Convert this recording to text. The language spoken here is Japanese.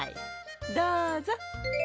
どうぞ。